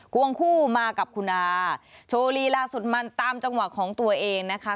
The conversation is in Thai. ควงคู่มากับคุณอาโชว์ลีลาสุดมันตามจังหวะของตัวเองนะคะ